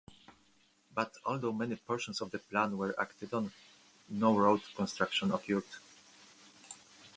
But although many portions of the plan were acted on, no road construction occurred.